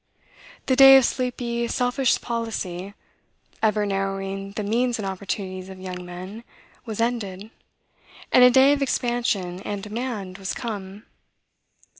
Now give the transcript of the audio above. The day of sleepy, selfish policy, ever narrowing the means and opportunities of young men, was ended, and a day of expansion and demand was come.